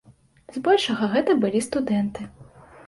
Збольшага гэта былі студэнты.